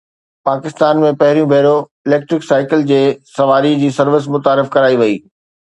پاڪستان ۾ پهريون ڀيرو electric cycle جي سواري جي سروس متعارف ڪرائي وئي